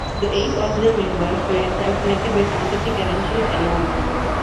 The eight original members were self-selected by fantasy credentials alone.